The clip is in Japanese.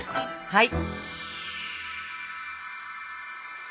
はい。